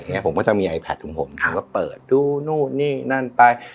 ไงผมก็จะมีแอไพแพท์ของผมครับผมก็เปิดดูนู้นนี่นั่นไป